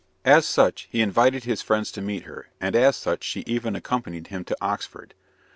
As such, he invited his friends to meet her, and as such, she even accompanied him to Oxford.